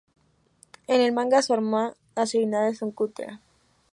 En el manga, su arma asignada es un cutter.